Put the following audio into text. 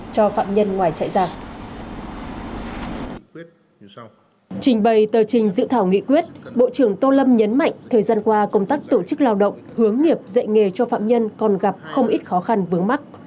trình bày tờ trình dự thảo nghị quyết bộ trưởng tô lâm nhấn mạnh thời gian qua công tác tổ chức lao động hướng nghiệp dạy nghề cho phạm nhân còn gặp không ít khó khăn vướng mắt